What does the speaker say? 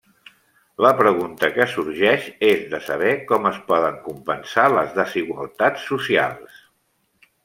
La pregunta que sorgeix és de saber com es poden compensar les desigualtats socials.